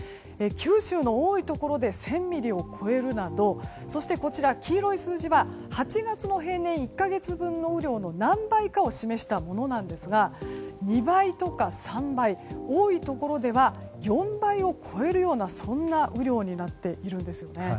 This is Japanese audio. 九州の多いところで１０００ミリを超えるなどそして、こちらの黄色い数字は８月の平年１か月分の雨量の何倍かを示したものですが２倍とか３倍、多いところでは４倍を超えるようなそんな雨量になっているんです。